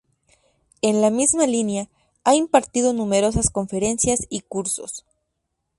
En la misma línea, ha impartido numerosas conferencias y cursos.